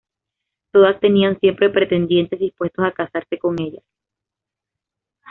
Todas tenían siempre pretendientes dispuestos a casarse con ellas.